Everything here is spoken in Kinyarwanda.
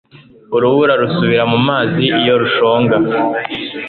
Urubura rusubira mumazi iyo rushonga